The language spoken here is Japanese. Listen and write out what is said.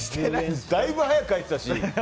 だいぶ早く書いてたし。